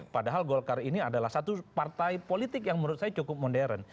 padahal golkar ini adalah satu partai politik yang menurut saya cukup modern